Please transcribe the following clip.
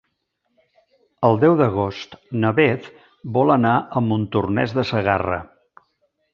El deu d'agost na Beth vol anar a Montornès de Segarra.